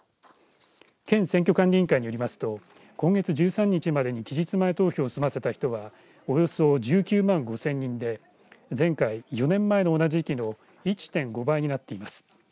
県選挙管理委員会によりますと今月１３日までに期日前投票を済ませた人はおよそ１９万５０００人で前回４年前の同じ時期の１．５倍になっています。